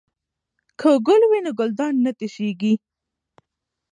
که ګل وي نو ګلدان نه تشیږي.